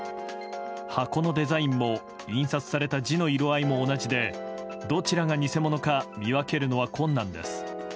箱のデザインも印刷された字の色合いも同じでどちらが偽物か見分けるのは困難です。